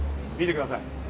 見てください。